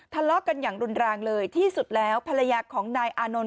ทะเลาะกันอย่างรุนแรงเลยที่สุดแล้วภรรยาของนายอานนท์